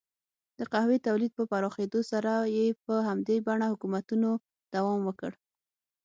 د قهوې تولید په پراخېدو سره یې په همدې بڼه حکومتونو دوام وکړ.